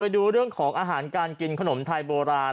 ดูเรื่องของอาหารการกินขนมไทยโบราณ